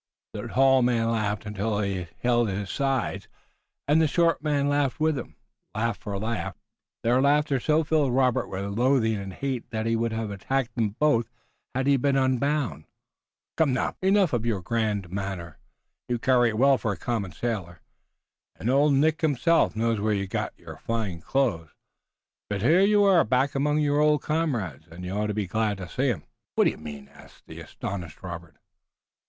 The tall man laughed until he held his sides, and the short man laughed with him, laugh for laugh. Their laughter so filled Robert with loathing and hate that he would have attacked them both had he been unbound. "Come now, Peter," said the captain at last. "Enough of your grand manner. You carry it well for a common sailor, and old Nick himself knows where you got your fine clothes, but here you are back among your old comrades, and you ought to be glad to see 'em." "What do you mean?" asked the astonished Robert.